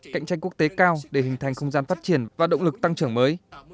cạnh tranh quốc tế cao để hình thành không gian phát triển và động lực tăng trưởng mới